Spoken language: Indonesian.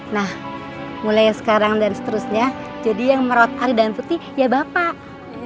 nah mulai sekarang dan seterusnya jadi yang merawat ari dan putih ya bapak